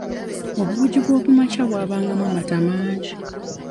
Obuugi bw'okumakya bwabangamu amata mangi.